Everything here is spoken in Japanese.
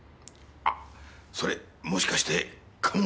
あっそれもしかして鴨。